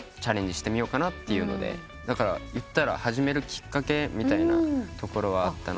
だから始めるきっかけみたいなところはあったので。